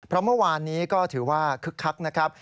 เพราะเมื่อวานนี้ก็ถือว่าคึกคักนะครับ